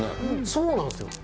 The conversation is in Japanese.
そうなんですよ。